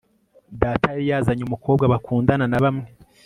data yari yazanye umukobwa bakundana na bamwe